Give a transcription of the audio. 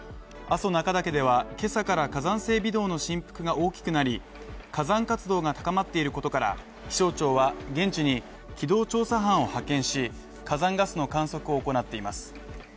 阿蘇中岳では、今朝から火山性微動の振幅が大きくなり火山活動が高まっていることから、気象庁は現地に機動調査班を派遣し火山ガスの観測を行っています。